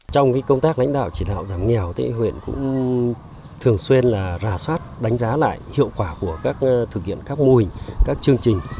trong công tác lãnh đạo chỉ đạo giảm nghèo huyện cũng thường xuyên là rà soát đánh giá lại hiệu quả của các thực hiện các mô hình các chương trình